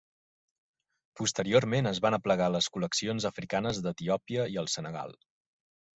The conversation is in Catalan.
Posteriorment es van aplegar les col·leccions africanes d'Etiòpia i el Senegal.